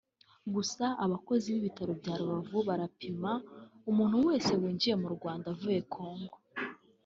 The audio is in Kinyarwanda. gusa abakozi b’ibitaro bya Rubavu barapima umuntu wese winjiye mu Rwanda avuye Congo